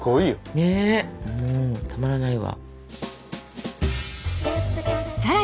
もうたまらないわ。